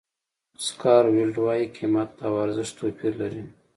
اوسکار ویلډ وایي قیمت او ارزښت توپیر لري.